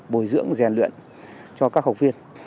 bồi dưỡng rèn luyện cho các học viên